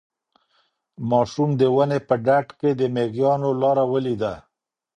ماشوم د ونې په ډډ کې د مېږیانو لاره ولیده.